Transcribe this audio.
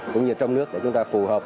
cũng như trong nước để chúng ta phù hợp